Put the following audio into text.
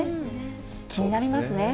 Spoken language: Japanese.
気になりますね。